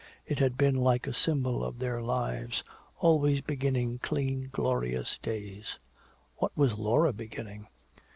It had been like a symbol of their lives, always beginning clean glorious days. What was Laura beginning?